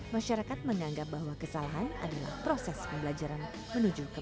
masyarakat menganggap bahwa kesalahan adalah proses pembelajaran menuju ke